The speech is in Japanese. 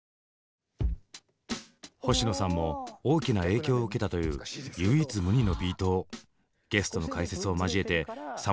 星野さんも大きな影響を受けたという唯一無二のビートをゲストの解説を交えてさまざまな角度から掘り下げました。